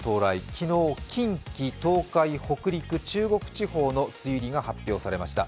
昨日、近畿、東海、北陸、中国地方の梅雨入りが発表されました。